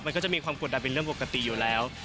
มันก็จะมีความกดดันเป็นเรื่องปกติอยู่แล้ว